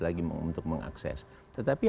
lagi untuk mengakses tetapi